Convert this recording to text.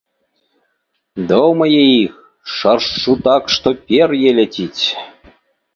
Дома я іх шаршчу так, што пер'е ляціць.